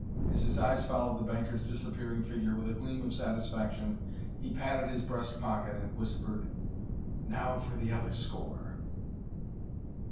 As his eyes followed the banker's disappearing figure with a gleam of satisfaction, he patted his breast pocket and whispered: "Now for the other score!"